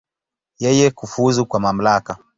Yeye kufuzu kwa mamlaka.